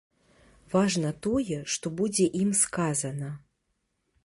Важна тое, што будзе ім сказана.